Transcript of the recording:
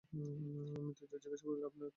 মৃত্যুঞ্জয় জিজ্ঞাসা করিল, আপনারা ক্রিশ্চান না কি?